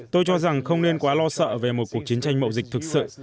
tôi cho rằng không nên quá lo sợ về một cuộc chiến tranh mậu dịch thực sự